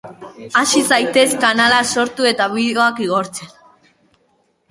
Hasi zaitez kanala sortu eta bideoak igortzen.